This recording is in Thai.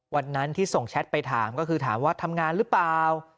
วันนั้นที่ส่งแชทไปถามก็คือถามว่าทำงานหรือเปล่า